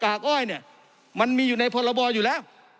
อ้อยเนี่ยมันมีอยู่ในพรบอยู่แล้ว